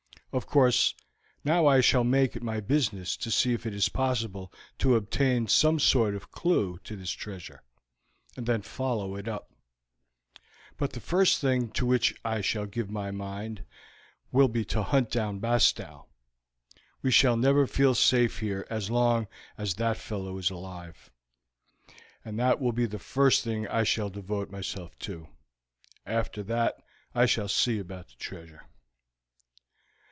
Of course, now I shall make it my business to see if it is possible to obtain some sort of clew to this treasure, and then follow it up; but the first thing to which I shall give my mind will be to hunt down Bastow. We shall never feel safe here as long as that fellow is alive, and that will be the first thing I shall devote myself to. After that I shall see about the treasure."